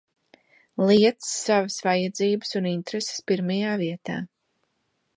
Liec savas vajadzības un intereses pirmajā vietā!